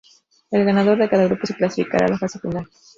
El ganador de cada grupo clasificará a la fase final.